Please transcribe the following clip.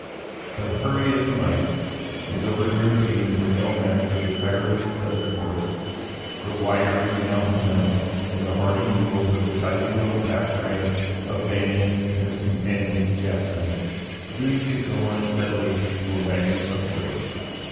But hurry as he might, his overdriven teams were no match for the tireless desert horse, the wiry mountain mount and the hardy mules of the tidy little pack train of Banion and his companion Jackson. These could go on steadily where wagons must wait.